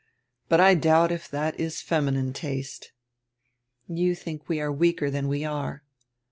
But I doubt if that is feminine taste." "You think we are weaker than we are."